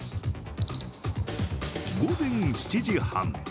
午前７時半。